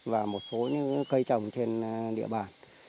và một số cây trồng trên địa bàn